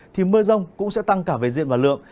thì mưa rông cũng sẽ tăng cả về diện và lượng